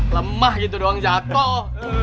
lemah gitu doang jatoh